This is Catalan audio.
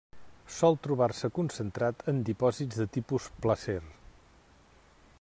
Sol trobar-se concentrat en dipòsits de tipus placer.